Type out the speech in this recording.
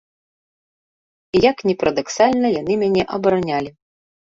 І як ні парадаксальна яны мяне абаранялі.